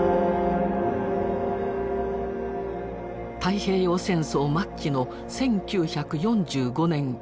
太平洋戦争末期の１９４５年。